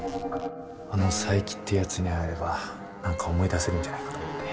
あの佐伯ってやつに会えれば何か思い出せるんじゃないかと思って。